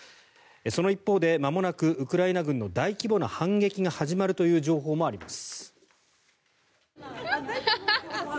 その一方でまもなくウクライナ軍の大規模な反撃が始まるという情報もあります。